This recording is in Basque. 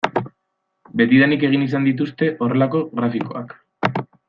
Betidanik egin izan dituzte horrelako grafikoak.